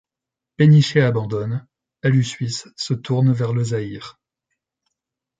Penichey abandonne, Alusuisse se tourne vers le Zaïre.